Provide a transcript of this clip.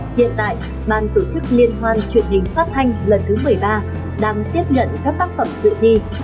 hiện tại ban tổ chức liên hoan truyền hình phát thanh lần thứ một mươi ba đang tiếp nhận các tác phẩm dự thi